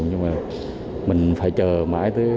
nhưng mà mình phải chờ mãi tới